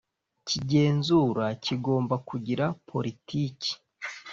cy igenzura kigomba kugira politiki